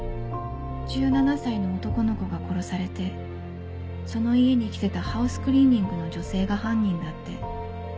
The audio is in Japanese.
１７歳の男の子が殺されてその家に来てたハウスクリーニングの女性が犯人だって。